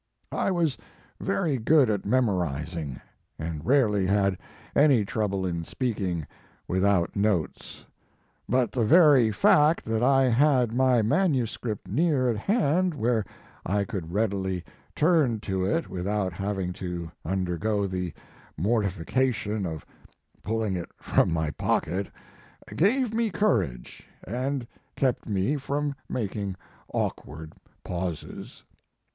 I was very good at mem orizing, and rarely had any trouble in speaking without notes; but the very fact that I had my manuscript near at hand where I could readily turn to it without having to undergo the mortification of pulling it from my pocket, gave me courage and kept me from making awk ward pauses.